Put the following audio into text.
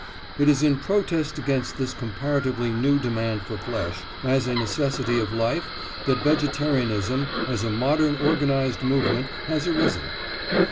It is in protest against this comparatively new demand for flesh as a necessity of life that vegetarianism, as a modern organised movement, has arisen.